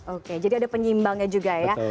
oke jadi ada penyimbangnya juga ya